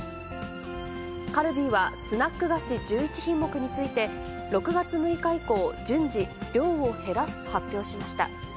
カルビーは、スナック菓子１１品目について、６月６日以降、順次、量を減らすと発表しました。